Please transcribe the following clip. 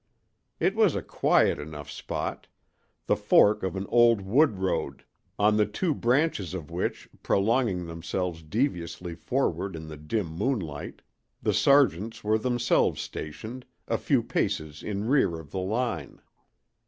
It was a quiet enough spot—the fork of an old wood road, on the two branches of which, prolonging themselves deviously forward in the dim moonlight, the sergeants were themselves stationed, a few paces in rear of the line.